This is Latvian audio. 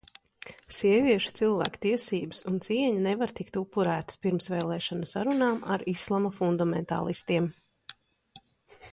Sieviešu cilvēktiesības un cieņa nevar tikt upurētas pirmsvēlēšanu sarunām ar islama fundamentālistiem.